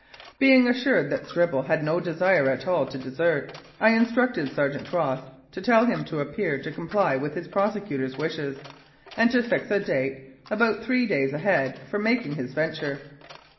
Being assured that Stribble had no desire at all to desert, I instructed Sergeant Ross to tell him to appear to comply with his persecutors' wishes, and to fix a date, about three days ahead, for making his venture.